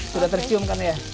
sudah tercium kan ya